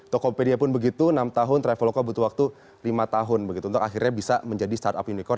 tokopedia pun begitu enam tahun traveloka butuh waktu lima tahun begitu untuk akhirnya bisa menjadi startup unicor